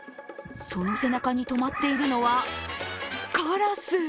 その背中にとまっているのは、カラス。